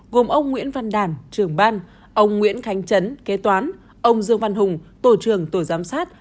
gồm ông nguyễn văn đàn trưởng ban ông nguyễn khánh chấn kế toán ông dương văn hùng tổ trưởng tổ giám sát